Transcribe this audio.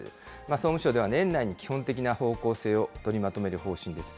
総務省では、年内に基本的な方向性を取りまとめる方針です。